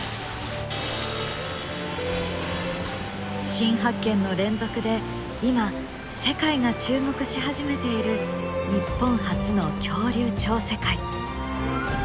新発見の連続で今世界が注目し始めている日本発の恐竜超世界。